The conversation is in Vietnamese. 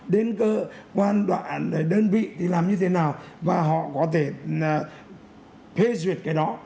đến cơ quan đơn vị thì làm như thế nào và họ có thể phê duyệt cái đó